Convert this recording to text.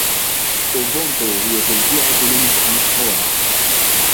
أوبونتو هي توزيعة لينكس مشهورة.